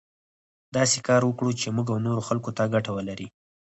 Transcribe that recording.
داسې کار وکړو چې موږ او نورو خلکو ته ګټه ولري.